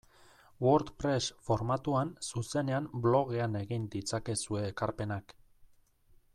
WordPress formatuan zuzenean blogean egin ditzakezue ekarpenak.